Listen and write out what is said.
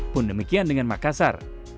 pun demikian dengan makassar